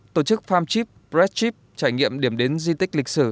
tổ chức farmchip presschip trải nghiệm điểm đến di tích lịch sử